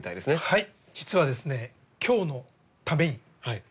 はい。